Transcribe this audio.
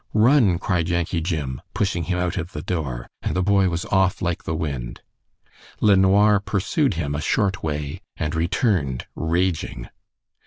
"Run!" cried Yankee Jim, pushing him out of the door, and the boy was off like the wind. LeNoir pursued him a short way and returned raging.